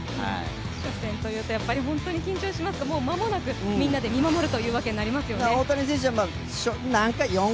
初戦というと緊張しますが、もう間もなくみんなで見守るというわけになりますよね。